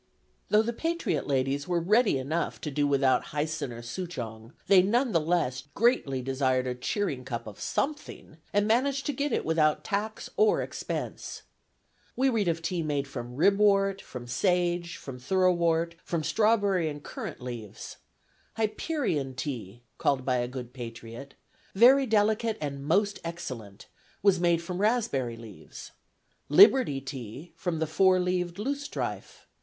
Though the patriot ladies were ready enough to do without Hyson or Souchong they none the less greatly desired a cheering cup of something, and managed to get it without tax or expense. We read of tea made from ribwort, from sage, from thoroughwort, from strawberry and currant leaves. "Hyperion tea," called by a good patriot, "very delicate and most excellent," was made from raspberry leaves; "Liberty tea" from the four leaved loose strife.